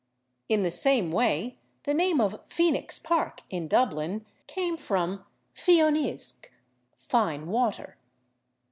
In the same way the name of /Phoenix/ Park, in Dublin, came from /Fion Uisg/ (=/fine water